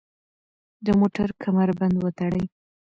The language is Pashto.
د موټر کمربند وتړئ.